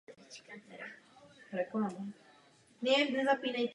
Tyto tři fáze se mohou opakovat a tvoří „věčné schéma dějin“.